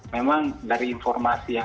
memang dari informasi yang